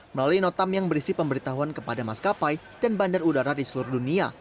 melalui notam yang berisi pemberitahuan kepada maskapai dan bandar udara di seluruh dunia